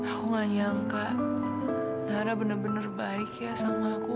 aku nggak nyangka nara bener bener baik ya sama aku